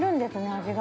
味が。